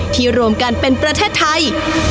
รวมกันเป็นประเทศไทย